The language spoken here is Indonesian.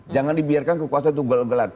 jangan dibiarkan kekuasaan itu gel gelan